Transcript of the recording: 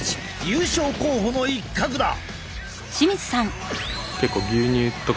優勝候補の一角だ！